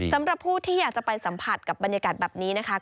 สำหรับผู้ที่อยากจะไปสัมผัสกับบรรยากาศแบบนี้นะคะ